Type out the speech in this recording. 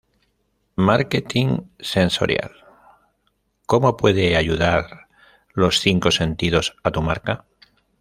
Marketing Sensorial: ¿Cómo pueden ayudar los cinco sentidos a tu marca?